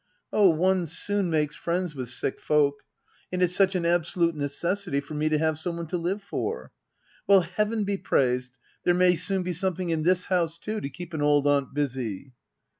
Oh^ one soon makes friends with sick folk ; and it's such am absolute necessity for me to have some one to live for. Well, heaven be praised^ there may soon be something in this house^ too^ to keep an old aunt busy.